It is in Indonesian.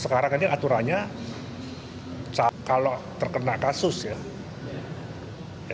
sekarang ini aturannya kalau terkena kasus ya